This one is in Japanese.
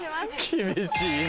厳しいな。